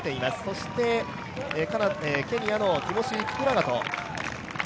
そしてケニアのティモシー・キプラガト。